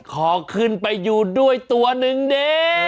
ขอคลื่นไปอยู่ด้วยตัวนึงเด